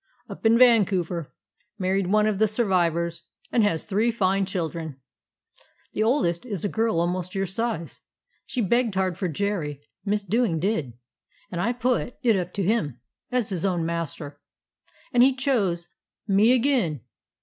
"Up in Vancouver. Married one of the survivors, and has three fine children. The oldest is a girl almost your size. She begged hard for Jerry, Miss Dewing did; and I put 233 DOG HEROES OF MANY LANDS it up to him, as his own master. And he chose — me again.